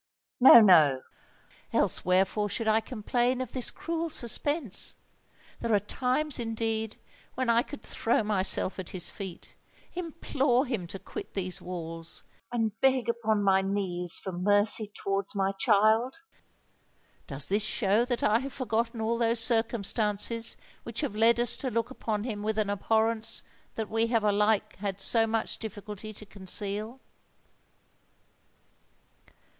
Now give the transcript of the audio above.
No—no: else wherefore should I complain of this cruel suspense? There are times, indeed, when I could throw myself at his feet—implore him to quit these walls—and beg upon my knees for mercy towards my child! Does this show that I have forgotten all those circumstances which have led us to look upon him with an abhorrence that we have alike had so much difficulty to conceal?"